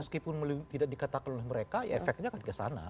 meskipun tidak dikatakan oleh mereka ya efeknya akan ke sana